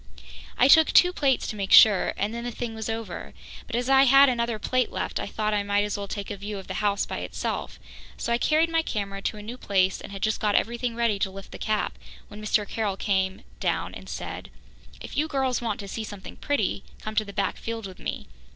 I took two plates to make sure and then the thing was over, but as I had another plate left I thought I might as well take a view of the house by itself, so I carried my camera to a new place and had just got everything ready to lift the cap when Mr. Carroll came down and said: "If you girls want to see something pretty, come to the back field with me.